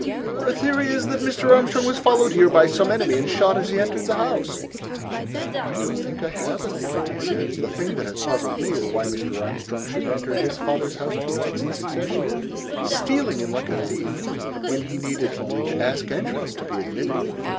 "Your theory is that Mr. Armstrong was followed here by some enemy, and shot as he entered the house?" "I don't think I have a theory," I said. "The thing that has puzzled me is why Mr. Armstrong should enter his father's house two nights in succession, stealing in like a thief, when he needed only to ask entrance to be admitted."